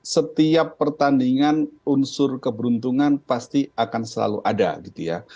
setiap pertandingan unsur keberuntungan pasti akan selalu ada gitu ya